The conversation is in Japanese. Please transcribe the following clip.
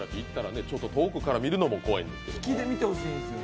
遠くから見るのも怖いんですけど。